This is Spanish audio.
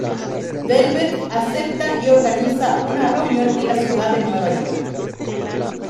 Velvet acepta y organiza una reunión en la ciudad de Nueva York.